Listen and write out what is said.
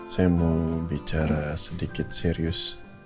saya mau bicara sedikit serius